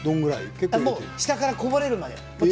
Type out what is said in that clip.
下からこぼれるぐらい。